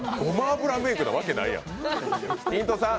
ごま油メイクなわけないやん。